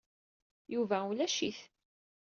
Yuba ulac-it.